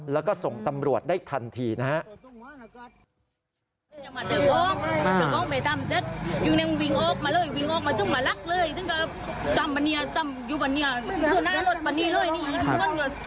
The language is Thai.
แล้วก็ส่งตำรวจได้ทันทีนะฮะ